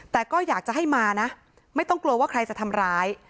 แต่ก็อยากจะให้มานะไม่ต้องกลัวว่าใครจะทำร้าย